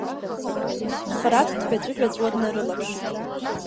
Храҭ дҳәаҵәыҳәаҵәуа днарылаԥшит.